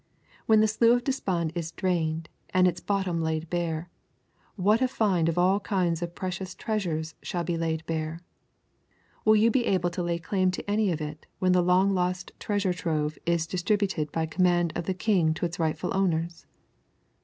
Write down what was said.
When the Slough of Despond is drained, and its bottom laid bare, what a find of all kinds of precious treasures shall be laid bare! Will you be able to lay claim to any of it when the long lost treasure trove is distributed by command of the King to its rightful owners?